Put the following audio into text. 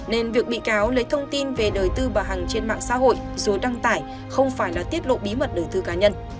nên việc bị cáo lấy thông tin về đời tư bà hằng trên mạng xã hội rồi đăng tải không phải là tiết lộ bí mật đời tư cá nhân